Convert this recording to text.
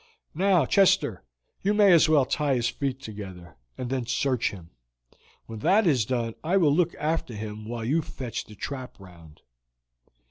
Now, Chester, you may as well tie his feet together, and then search him. When that is done I will look after him while you fetch the trap round."